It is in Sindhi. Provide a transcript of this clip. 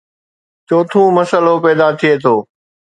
چوٿون مسئلو پيدا ٿئي ٿو